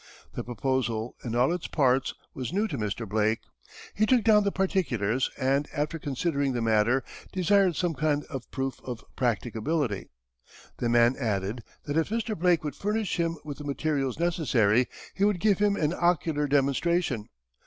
The proposal, in all its parts, was new to Mr. Blake. He took down the particulars, and, after considering the matter, desired some kind of proof of the practicability. The man added that if Mr. Blake would furnish him with the materials necessary, he would give him an occular demonstration.